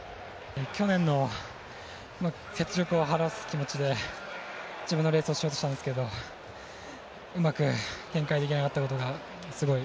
去年の雪辱を晴らすつもりで自分のレースをしたんですけどうまく展開できなかったことがすごい